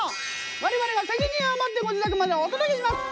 我々が責任を持ってご自宅までお届けします！